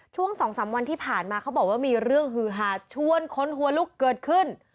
ช่วง๒๓วันที่ผ่านมาเขาบอกว่ามีเรื่องฮือหาชวนคนหัวลุกเกิดขึ้น